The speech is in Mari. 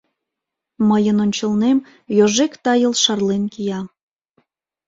Мыйын ончылнем йожек тайыл шарлен кия.